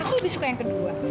aku suka yang kedua